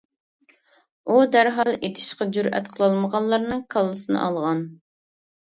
ئۇ دەرھال ئېتىشقا جۈرئەت قىلالمىغانلارنىڭ كاللىسىنى ئالغان.